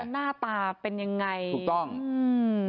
หน้าตาเป็นยังไงถูกต้องอืม